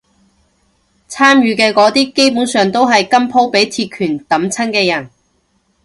參與嘅嗰啲基本上都係今鋪畀鐵拳揼親嘅人